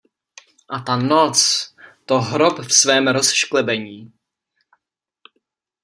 A ta noc - to hrob v svém rozšklebení!